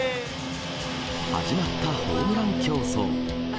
始まったホームラン競争。